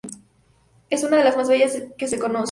Es una de las más bellas que se conocen.